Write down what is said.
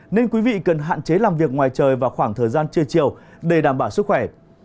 nên quý vị cần hạn chế làm việc ngoài trời vào khoảng thời gian trưa chiều để đảm bảo sức khỏe